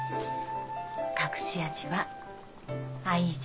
隠し味は愛情。